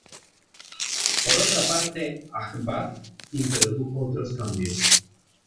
Por otra parte, Akbar introdujo otros cambios.